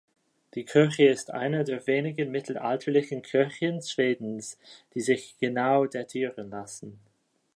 Die Kirche ist eine der wenigen mittelalterlichen Kirchen Schwedens, die sich genau datieren lassen.